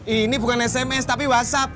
ini bukan sms tapi whatsapp